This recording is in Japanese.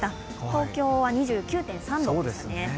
東京は２９．３度でしたね。